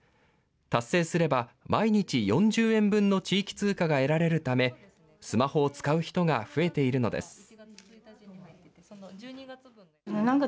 達成すれば毎日４０円分の地域通貨が得られるため、スマホを使う人が増えているのです。